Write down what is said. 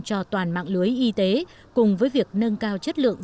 cho toàn mạng lưới y tế cùng với việc nâng cao chất lượng